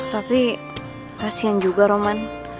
tapi kasihan juga roman